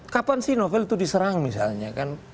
kapan sih novel itu diserang misalnya kan